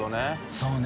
そうね。